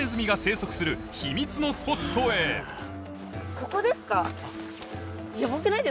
ここですか？